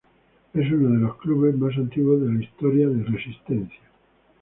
Es uno de los clubes más antiguos de la historia de Resistencia.